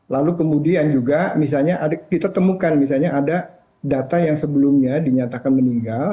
lalu kemudian juga misalnya kita temukan misalnya ada data yang sebelumnya dinyatakan meninggal